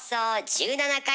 １７回？